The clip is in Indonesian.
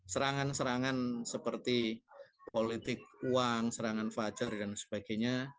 serangan serangan seperti politik uang serangan fajar dan sebagainya